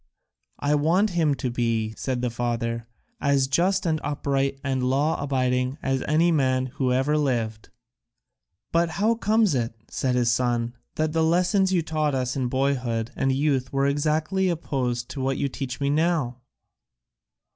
"I want him to be," said the father, "as just and upright and law abiding as any man who ever lived." "But how comes it," said his son, "that the lessons you taught us in boyhood and youth were exactly opposed to what you teach me now?"